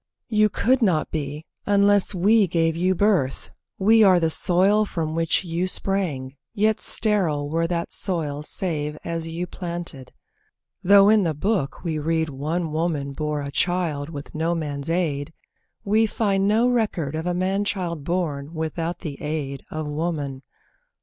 You could not be, Unless we gave you birth; we are the soil From which you sprang, yet sterile were that soil Save as you planted. (Though in the Book we read One woman bore a child with no man's aid, We find no record of a man child born Without the aid of woman!